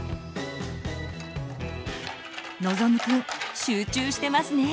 のぞむくん集中してますね。